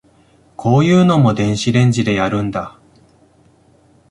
こういうのも電子レンジでやるんだ